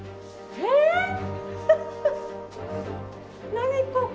何ここ。